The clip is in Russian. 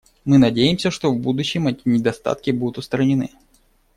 Мы надеемся, что в будущем эти недостатки будут устранены.